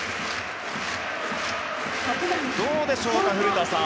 どうでしょうか、古田さん。